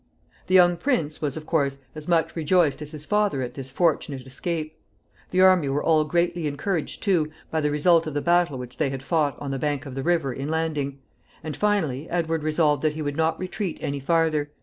The young prince was, of course, as much rejoiced as his father at this fortunate escape. The army were all greatly encouraged, too, by the result of the battle which they had fought on the bank of the river in landing; and, finally, Edward resolved that he would not retreat any farther.